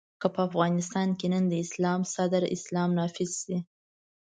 که په افغانستان کې نن د اسلام صدر اسلام نافذ شي.